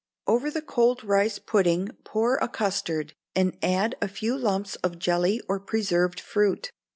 Over the cold rice pudding pour a custard, and add a few lumps of jelly or preserved fruit.